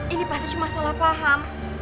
ini pasti cuma salah paham